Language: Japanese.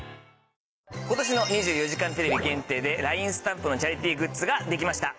今年の『２４時間テレビ』限定でＬＩＮＥスタンプのチャリティーグッズが出来ました。